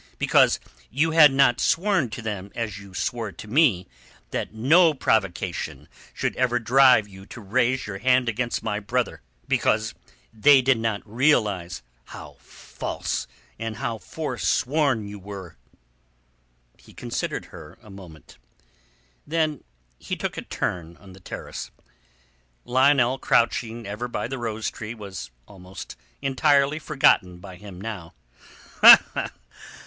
Because you had not sworn to them as you swore to me that no provocation should ever drive you to raise your hand against my brother. Because they did not realize how false and how forsworn you were." He considered her a moment. Then he took a turn on the terrace. Lionel crouching ever by the rose tree was almost entirely forgotten by him now.